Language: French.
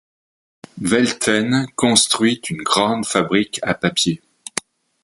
Veldten construit une grande fabrique à papier.